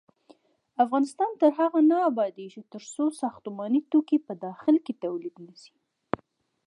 افغانستان تر هغو نه ابادیږي، ترڅو ساختماني توکي په داخل کې تولید نشي.